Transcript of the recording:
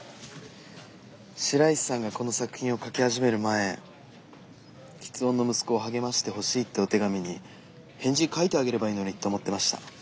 白石さんがこの作品を書き始める前吃音の息子を励ましてほしいってお手紙に返事書いてあげればいいのにって思ってました。